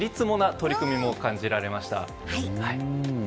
取り組みも感じられました。